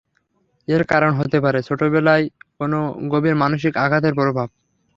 এর কারণ হতে পারে, ছোটবেলায় কোন গভীর মানসিক আঘাতের প্রভাব।